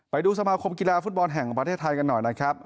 ไปดูสมาคมกีฬาฟุตบอลแห่งประเทศไทยกันหน่อยนะครับ